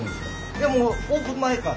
いやもうオープン前から。